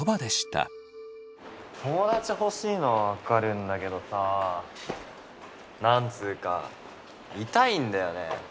友だち欲しいのは分かるんだけどさ何つうか痛いんだよね。